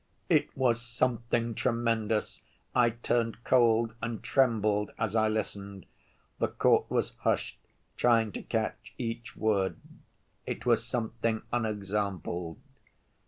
It was something tremendous! I turned cold and trembled as I listened. The court was hushed, trying to catch each word. It was something unexampled.